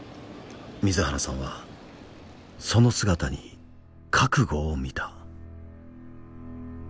水原さんはその姿に覚悟を見た。